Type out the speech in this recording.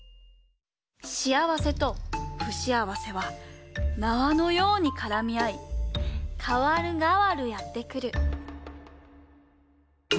しあわせとふしあわせは縄のようにからみあいかわるがわるやってくる。